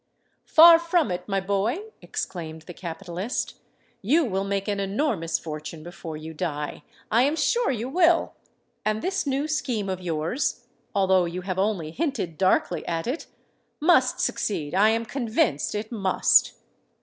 "Far from it, my boy!" exclaimed the capitalist. "You will make an enormous fortune before you die—I am sure you will. And this new scheme of yours,—although you have only hinted darkly at it,—must succeed—I am convinced it must."